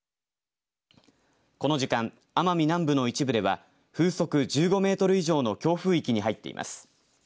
この時間、奄美南部の一部では風速１５メートル以上の強風域に入っています。